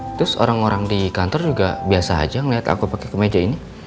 terus orang orang di kantor juga biasa aja ngeliat aku pakai kemeja ini